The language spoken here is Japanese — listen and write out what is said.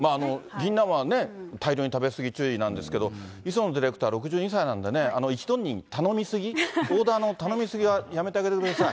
ぎんなんはね、大量に食べ過ぎ注意なんですけど、磯野ディレクター、６２歳なんでね、一度に頼み過ぎ、オーダーの頼み過ぎはやめてあげてください。